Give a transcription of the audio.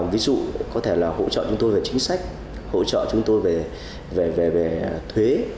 ví dụ có thể là hỗ trợ chúng tôi về chính sách hỗ trợ chúng tôi về thuế